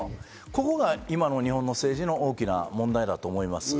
ここが今の日本の政治の大きな問題だと思います。